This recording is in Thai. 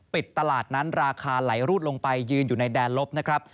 ตลาดนั้นราคาไหลรูดลงไปยืนอยู่ในแดนลบนะครับ